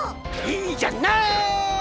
いいじゃない！